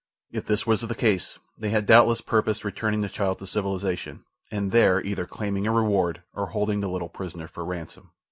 If this was the case, they had doubtless purposed returning the child to civilization and there either claiming a reward or holding the little prisoner for ransom.